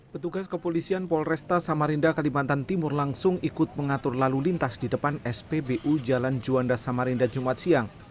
petugas kepolisian polresta samarinda kalimantan timur langsung ikut mengatur lalu lintas di depan spbu jalan juanda samarinda jumat siang